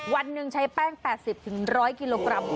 วันหนึ่งใช้แป้ง๘๐๑๐๐กิโลกรัม